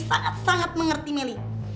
sangat sangat mengerti meli